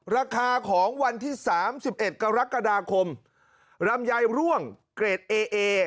ราคาของวันที่สามสิบเอ็ดกรกฎาคมรำยายร่วงเกรดเอเอ